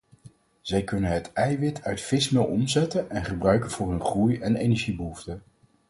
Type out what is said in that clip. Zij kunnen het eiwit uit vismeel omzetten en gebruiken voor hun groei en energiebehoefte.